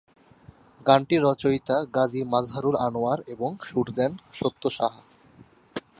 গানটির রচয়িতা গাজী মাজহারুল আনোয়ার এবং সুর দেন সত্য সাহা।